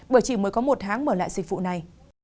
bởi chỉ mới có một hãng mở lại dịch vụ này